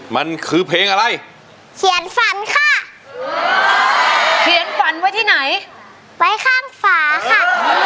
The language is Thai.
มันคือเพลงอะไรเขียนฝันค่ะเขียนฝันไว้ที่ไหนไว้ข้างฝาค่ะ